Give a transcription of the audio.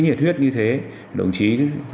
nhiệt huyết như thế đồng chí